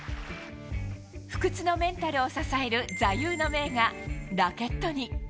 不屈のメンタルを支える座右の銘がラケットに。